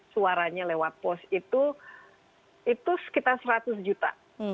yang diperoleh lewat post itu sekitar seratus juta